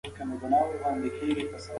دا سيمه خوندي اعلان شوې ده.